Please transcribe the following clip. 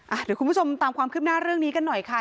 เดี๋ยวคุณผู้ชมตามความคืบหน้าเรื่องนี้กันหน่อยค่ะ